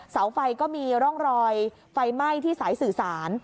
เสาไฟก็มีร่องรอยไฟไหม้ที่สายสื่อสาร